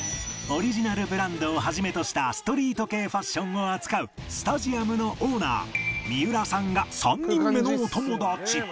オリジナルブランドを始めとしたストリート系ファッションを扱う ＳＴＡＤＩＵＭ のオーナー三浦さんが３人目のお友達